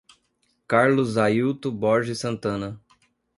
Carlos Ailto Borges Santana